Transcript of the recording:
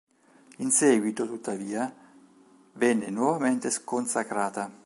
In seguito, tuttavia, venne nuovamente sconsacrata.